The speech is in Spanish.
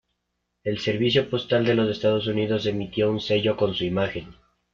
El Servicio Postal de los Estados Unidos emitió un sello con su imagen.